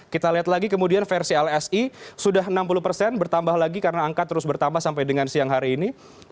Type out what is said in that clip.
kita lihat lagi kemudian versi lsi sudah enam puluh persen bertambah lagi karena angka terus bertambah sampai dengan siang hari ini